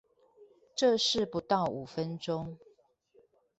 這是不到五分鐘